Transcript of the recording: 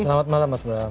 selamat malam mas bram